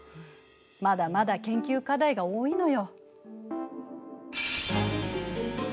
まだまだ研究課題が多いのよ。